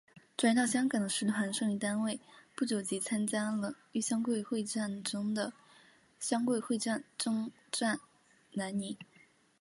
转移到香港的师团剩余单位不久即参加了豫湘桂会战中的湘桂会战攻占南宁。